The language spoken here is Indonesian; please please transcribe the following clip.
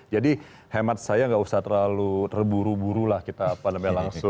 jadi hemat saya nggak usah terlalu terburu buru lah kita pandemi langsung